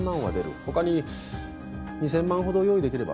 他に２，０００万ほど用意できれば。